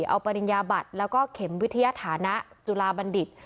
เอาภัณยาบัตรและเข็มวิทยาภาระจุลาบันดิต